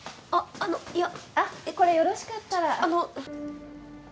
あのいやあっこれよろしかったらえっ